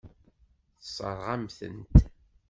Tessṛeɣ-am-tent.